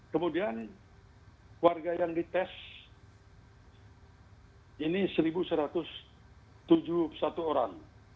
kemudian warga yang dites ini satu satu ratus tujuh puluh satu orang